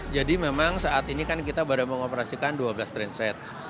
jadi memang saat ini kan kita baru mengoperasikan dua belas trainset